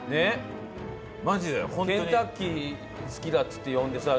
ケンタッキー好きだっつって呼んでさ